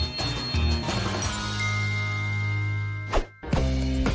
ว้าว